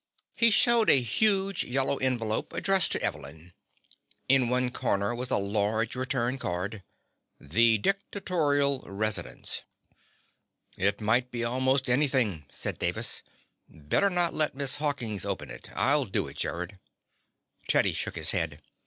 He showed a huge yellow envelope addressed to Evelyn. In one corner was a large return card. "The Dictatorial Residence." "It might be almost anything," said Davis. "Better not let Miss Hawkins open it. I'll do it, Gerrod." Teddy shook his head.